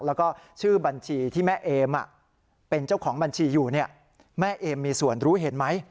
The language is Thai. แล้วก็ชื่อบัญชีที่แม่เอมเป็นเจ้าของบัญชีอยู่แม่เอมมีส่วนรู้เห็นไหม